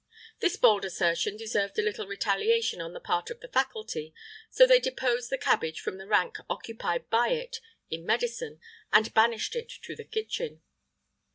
[IX 16] This bold assertion deserved a little retaliation on the part of the faculty; so they deposed the cabbage from the rank occupied by it in medicine, and banished it to the kitchen.